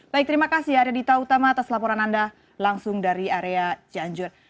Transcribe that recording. baik terima kasih arya dita utama atas laporan anda langsung dari area cianjur